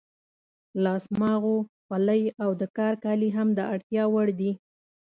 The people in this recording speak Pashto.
لاس ماغو، خولۍ او د کار کالي هم د اړتیا وړ دي.